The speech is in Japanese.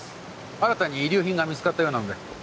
新たに遺留品が見つかったようなので。